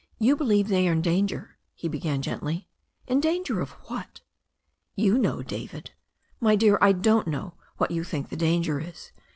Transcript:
"You believe they are in danger," he began gently, "in danger of what?" "You know, David." "My dear, I don't know what you think the danger is.